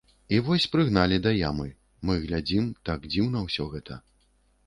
І вось прыгналі да ямы, мы глядзім, так дзіўна ўсё гэта.